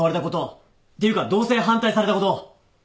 ていうか同棲反対されたこと。